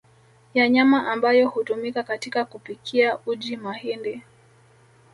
ya nyama ambayo hutumika katika kupikia uji mahindi